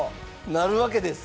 なるわけです。